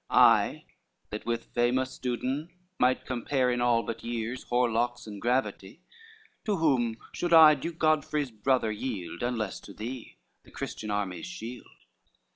I, that with famous Dudon might compare In all, but years, hoar locks, and gravity, To whom should I, Duke Godfrey's brother, yield, Unless to thee, the Christian army's shield?